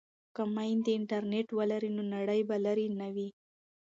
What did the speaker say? که میندې انټرنیټ ولري نو نړۍ به لرې نه وي.